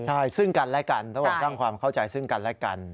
ใช่ซึ่งกันและกันต้องบอกสร้างความเข้าใจซึ่งกันและกัน